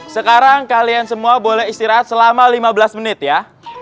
sekarang kalian semua boleh istirahat selama lima belas menit ya